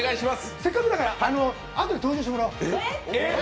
せっかくだからあとで登場してもらおう。